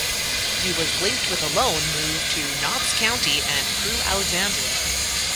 He was linked with a loan move to Notts County and Crewe Alexandra.